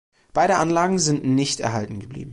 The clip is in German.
Beide Anlagen sind nicht erhalten geblieben.